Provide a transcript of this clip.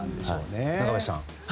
中林さん。